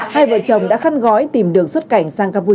hai vợ chồng đã khăn gói tìm đường xuất cảnh